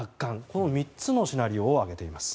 この３つのシナリオを挙げています。